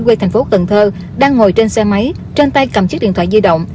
quê tp cần thơ đang ngồi trên xe máy trên tay cầm chiếc điện thoại di động